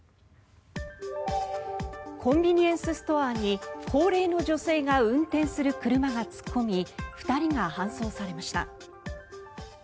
コンビニエンスストアに高齢の女性が運転する車が突っ込み２人が搬送されました。